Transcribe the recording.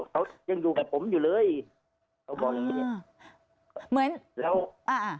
เขายังอยู่กับผมอยู่เลยเขาบอกอย่างงี้อ่าเหมือนเราอ่า